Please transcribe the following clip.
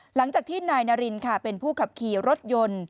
หลังจากที่นายนารินค่ะเป็นผู้ขับขี่รถยนต์